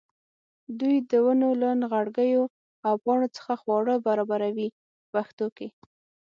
دوی د ونو له نغوړګیو او پاڼو څخه خواړه برابروي په پښتو کې.